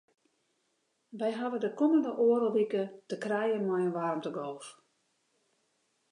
Wy hawwe de kommende oardel wike te krijen mei in waarmtegolf.